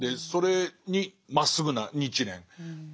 それにまっすぐな日蓮。